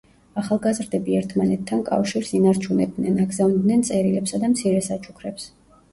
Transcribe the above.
ახალგაზრდები ერთმანეთთან კავშირს ინარჩუნებდნენ, აგზავნიდნენ წერილებსა და მცირე საჩუქრებს.